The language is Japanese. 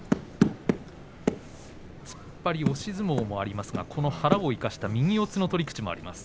突っ張り、押し相撲もありますが、腹を生かした右四つの取組があります。